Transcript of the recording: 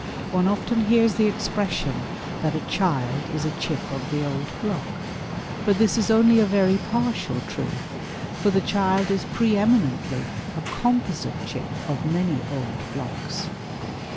One often hears the expression that a child is a chip of the old block; but this is only a very partial truth, for the child is pre eminently a composite chip of many old blocks."